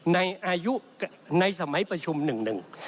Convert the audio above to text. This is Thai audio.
ในสมัยประชุมหนึ่ง